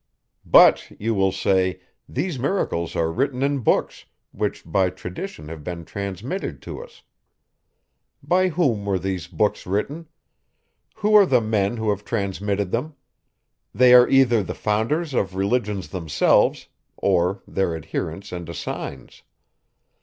But, you will say, these miracles are written in books, which by tradition have been transmitted to us. By whom were these books written? Who are the men who have transmitted them? They are either the founders of religions themselves, or their adherents and assigns.